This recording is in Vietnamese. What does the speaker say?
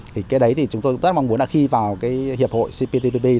thì cái đấy thì chúng tôi rất mong muốn khi vào hiệp hội cp